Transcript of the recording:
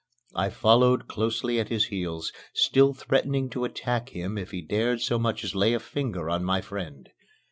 I followed closely at his heels, still threatening to attack him if he dared so much as lay a finger on my friend.